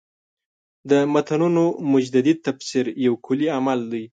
د متنونو مجدد تفسیر یو کُلي عمل دی.